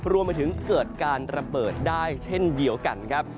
รวมไปถึงเกิดการระเบิดได้เช่นเดียวกันครับ